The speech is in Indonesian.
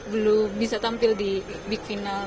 belum bisa tampil di big final